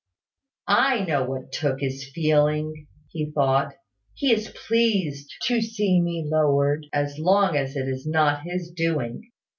"I know what Tooke is feeling," thought he. "He is pleased to see me lowered, as long as it is not his doing.